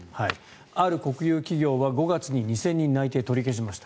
ある国有企業は５月に２０００人の内定を取り消しました。